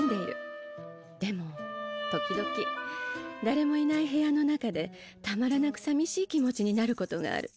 でも時々だれもいない部屋の中でたまらなくさみしい気持ちになることがある。